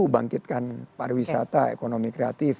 bangkitkan pariwisata ekonomi kreatif